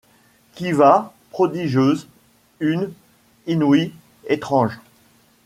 Qui va, prodigieuse, une, inouïe, étrange